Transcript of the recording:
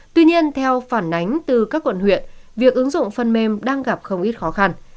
tuy nhiên theo phản ánh từ các quận huyện việc ứng dụng phần mềm đang gặp không ít khó khăn